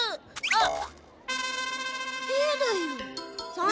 あっ！